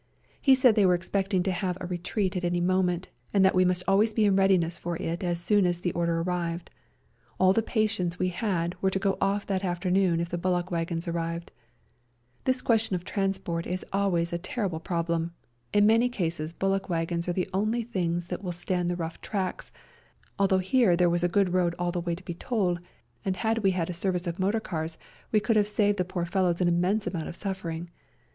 He said they were expecting to have a retreat at any moment, and that we must always be in readiness for it as soon as the order arrived. All the patients we had were to go off that afternoon if the bullock wagons arrived. This ques 26 A SERBIAN AMBULANCE tion of transport is always a terrible problem ; in many cases bullock wagons are the only things that will stand the rough tracks, although here there was a good road all the way to Bitol, and had we had a service of motor cars we could have saved the poor fellows an immense amount of suffering.